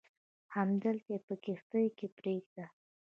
همدلته یې په کښتۍ کې پرېږده.